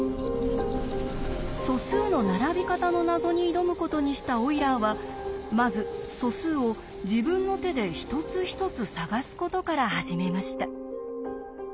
素数の並び方の謎に挑むことにしたオイラーはまず素数を自分の手で一つ一つ探すことから始めました。